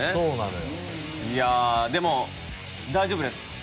いやでも大丈夫です